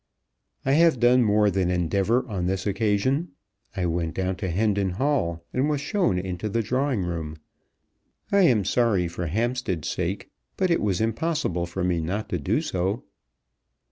"I have done more than endeavour on this occasion. I went down to Hendon Hall, and was shown into the drawing room. I am sorry for Hampstead's sake, but it was impossible for me not to do so."